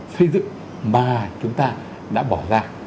xây dựng mà chúng ta đã bỏ ra